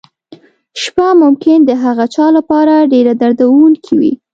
شپه ممکن د هغه چا لپاره ډېره دردونکې وي.